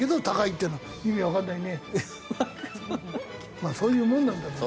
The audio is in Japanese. まあそういうもんなんだろうな。